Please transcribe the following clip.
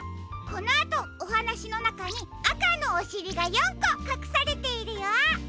このあとおはなしのなかにあかのおしりが４こかくされているよ。